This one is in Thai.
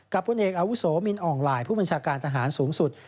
พลเอกอาวุโสมินอ่องลายผู้บัญชาการทหารสูงสุด